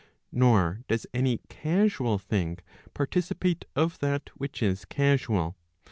Nor does any casual thing participate of that which is casual.